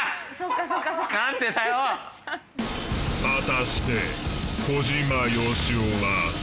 果たして。